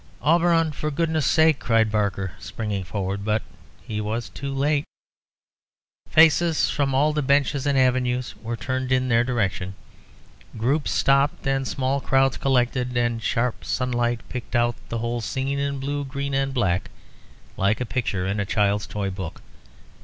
"Auberon! for goodness' sake ..." cried Barker, springing forward; but he was too late. Faces from all the benches and avenues were turned in their direction. Groups stopped and small crowds collected; and the sharp sunlight picked out the whole scene in blue, green and black, like a picture in a child's toy book.